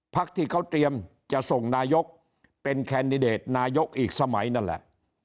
พักที่เขาเตรียมจะส่งนายกเป็นแคนดิเดตนายกอีกสมัยนั่นแหละ